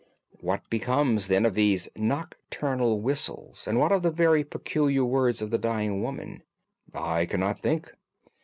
"What becomes, then, of these nocturnal whistles, and what of the very peculiar words of the dying woman?" "I cannot think."